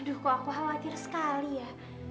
aduh kok aku khawatir sekali ya